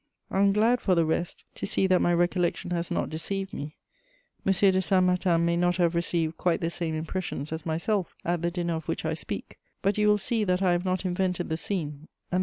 I am glad, for the rest, to see that my recollection has not deceived me: M. de Saint Martin may not have received quite the same impressions as myself at the dinner of which I speak; but you will see that I have not invented the scene, and that M.